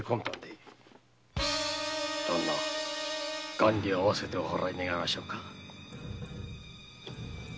元利合わせてお払い願いましょうか。